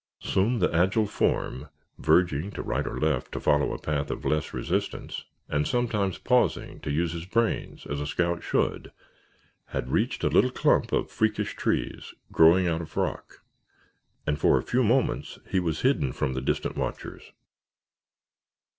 Soon the agile form, verging to right or left to follow a path of less resistance and sometimes pausing to use his brains as a scout should, had reached a little clump of freakish trees, growing out of rock, and for a few moments he was hidden from the distant watchers.